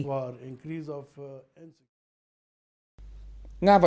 ngoại trưởng mỹ mike pompeo